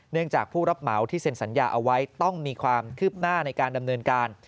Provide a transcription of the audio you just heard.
จากผู้รับเหมาที่เซ็นสัญญาเอาไว้ต้องมีความคืบหน้าในการดำเนินการ